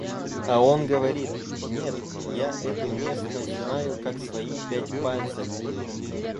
А он говорит: «Нет, я эту местность знаю, как свои пять пальцев».